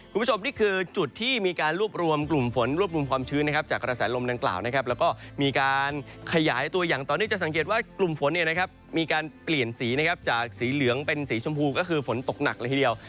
คุณผู้ชมนี่คือจุดที่มีการรวบรวมกลุ่มฝนรวบรวมความชื้นนะครับจากกระแสลมดังกล่าวนะครับแล้วก็มีการขยายตัวอย่างต่อเนื่องจะสังเกตว่ากลุ่มฝนเนี่ยนะครับมีการเปลี่ยนสีนะครับจากสีเหลืองเป็นสีชมพูก็คือฝนตกหนักเลยทีเดียว